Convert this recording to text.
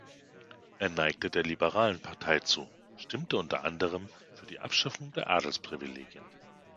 Er neigte der liberalen Partei zu, stimmte unter anderem für die Abschaffung der Adelsprivilegien.